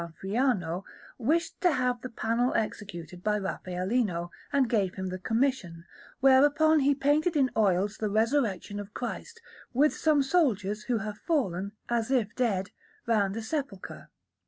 Friano, wished to have the panel executed by Raffaellino, and gave him the commission; whereupon he painted in oils the Resurrection of Christ, with some soldiers who have fallen, as if dead, round the Sepulchre.